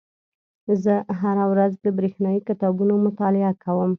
زه هره ورځ د بریښنایي کتابونو مطالعه کوم.